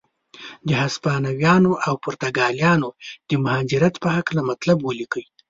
د هسپانویانو او پرتګالیانو د مهاجرت په هکله مطلب ولیکئ.